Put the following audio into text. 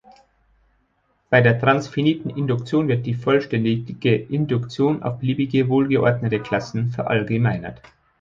Bei der transfiniten Induktion wird die vollständige Induktion auf beliebige wohlgeordnete Klassen verallgemeinert.